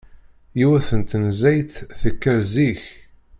Yiwet n tnezzayt tekker zik.